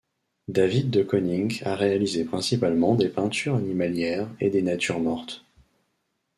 David de Koninck a réalisé principalement des peintures animalières et des natures mortes.